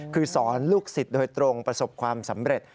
คือสอนลูกศิษย์โดยตรงประสบความสำเร็จ